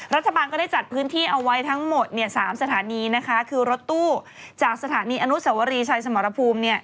รัฐบาลก็ได้จัดพื้นที่เอาไว้ทั้งหมดเนี่ย๓สถานีนะคะคือรถตู้จากสถานีอนุสวรีชัยสมรภูมิเนี่ย